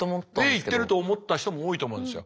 Ａいってると思った人も多いと思うんですよ。